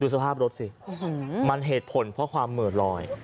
สภาพรถสิมันเหตุผลเพราะความเหมือนลอย